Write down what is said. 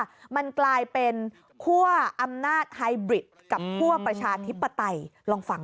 น่าจะเป็นกลายเป็นขั้วอำนาจไฮบริดกับน่าอยู่ในประชาทธิปไตยลองฟัง